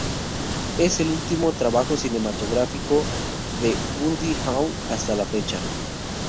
Es el último trabajo cinematográfico de Goldie Hawn, hasta la fecha.